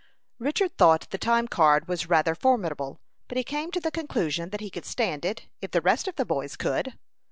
Richard thought the time card was rather formidable, but he came to the conclusion that he could stand it, if the rest of the boys could.